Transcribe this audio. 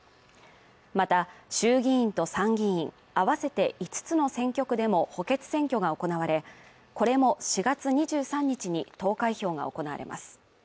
また、衆議院と参議院、合わせて５つの選挙区でも補欠選挙が行われ、これも４月２３日に投開票が行われます。